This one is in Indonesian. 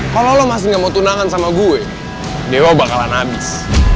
kalau lo masih gak mau tunangan sama gue dewa bakalan habis